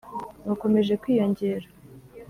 bakomeje kwiyongera